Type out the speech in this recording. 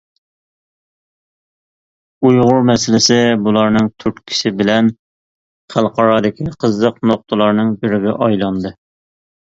ئۇيغۇر مەسىلىسى بۇلارنىڭ تۈرتكىسى بىلەن خەلقئارادىكى قىزىق نۇقتىلارنىڭ بىرىگە ئايلاندى .